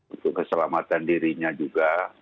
untuk keselamatan dirinya juga